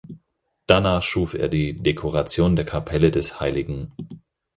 Danach schuf er die Dekoration der Kapelle des hl.